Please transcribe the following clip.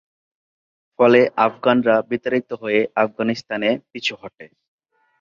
ফলে আফগানরা বিতাড়িত হয়ে আফগানিস্তানে পিছু হটে।